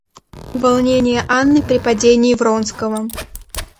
Волнение Анны при падении Вронского.